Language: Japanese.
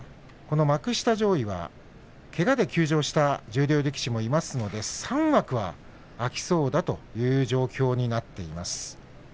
幕下上位はけがで休場した十両力士もいますので３枠が空きそうだという状況になっています。